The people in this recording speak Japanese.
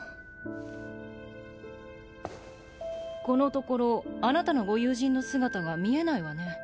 このところあなたのご友人の姿が見えないわね。